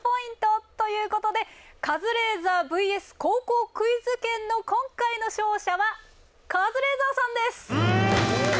ということで「カズレーザーｖｓ．高校クイズ研」の今回の勝者はカズレーザーさんです！